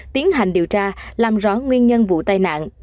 tiến hành điều tra làm rõ nguyên nhân vụ tai nạn